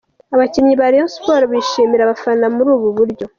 Abakinnyi ba Rayon Sports bashimira abafana muri ubu buryo.